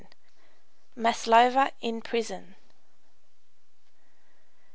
MASLOVA IN PRISON.